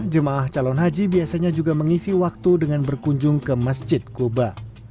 jemaah calon haji biasanya juga mengisi waktu dengan berkunjung ke masjid kuba